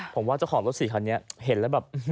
ผมว่าเจ้าของรถสี่คันนี้เห็นแล้วแบบ